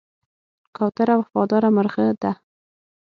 کوتره وفاداره مرغه ده.